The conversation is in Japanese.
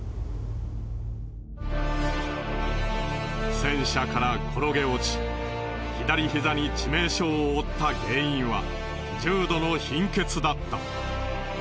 戦車から転げ落ち左膝に致命傷を負った原因は重度の貧血だった。